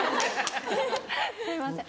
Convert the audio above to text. すいません